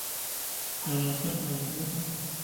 而他们的也造就了日后的诞生。